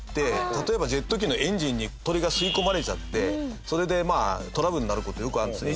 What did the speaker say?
例えば、ジェット機のエンジンに鳥が吸い込まれちゃってそれで、トラブルになる事よくあるんですよ。